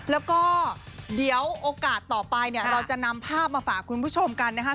แล้วก็เดี๋ยวโอกาสต่อไปเนี่ยเราจะนำภาพมาฝากคุณผู้ชมกันนะคะ